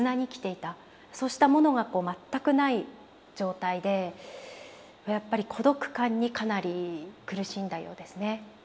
そうしたものが全くない状態でやっぱり孤独感にかなり苦しんだようですね。